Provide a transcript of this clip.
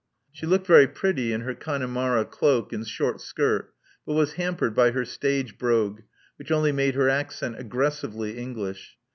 She looked very pretty in her Connemara cloak and short skirt, but was hampered by her stage brogue, which only made her accent aggressively English.